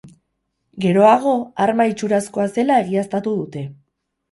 Geroago arma itxurazkoa zela egiaztatu dute.